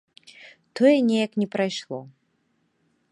Тое неяк не прайшло.